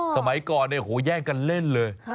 สมัยก่อนแย่งกันเล่นเลย